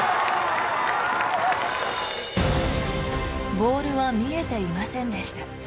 ボールは見えていませんでした。